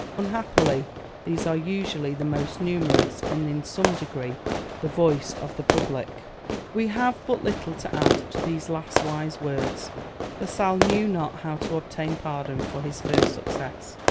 Unhappily, these are usually the most numerous, and in some degree the voice of the public." [Illustration: Assassination of La Sale.] We have but little to add to these last wise words. La Sale knew not how to obtain pardon for his first success.